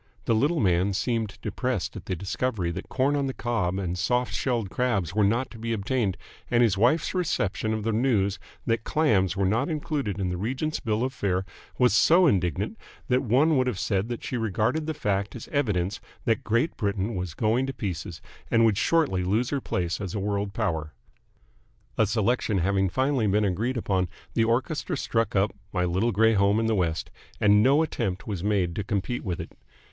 The little man seemed depressed at the discovery that corn on the cob and soft shelled crabs were not to be obtained, and his wife's reception of the news that clams were not included in the Regent's bill of fare was so indignant that one would have said that she regarded the fact as evidence that Great Britain was going to pieces and would shortly lose her place as a world power. A selection having finally been agreed upon, the orchestra struck up "My Little Grey Home in the West," and no attempt was made to compete with it.